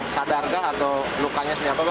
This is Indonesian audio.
sadar atau lukanya semia